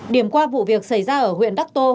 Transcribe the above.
điểm qua vụ việc xảy ra ở huyện đắc tô